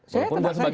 saya kena saja